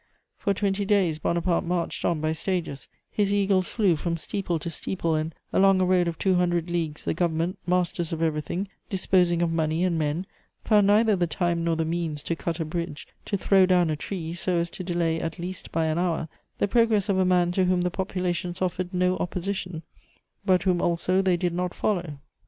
For twenty days, Bonaparte marched on by stages; his eagles flew from steeple to steeple and, along a road of two hundred leagues the Government, masters of everything, disposing of money and men, found neither the time nor the means to cut a bridge, to throw down a tree, so as to delay, at least by an hour, the progress of a man to whom the populations offered no opposition, but whom also they did not follow.